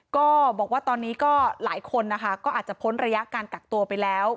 ก็บอกว่าตอนนี้ก็หลายคนนะคะก็อาจจะพ้นระยะการกักตัวไปแล้ว